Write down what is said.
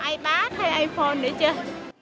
ipad hay iphone để chơi